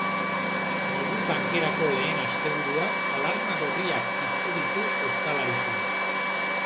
Negu tankerako lehen asteburuak alarma gorriak piztu ditu ostalaritzan.